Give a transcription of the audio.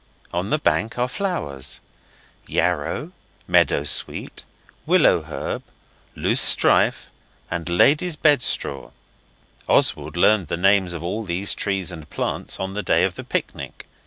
On the banks are flowers yarrow, meadow sweet, willow herb, loosestrife, and lady's bed straw. Oswald learned the names of all these trees and plants on the day of the picnic.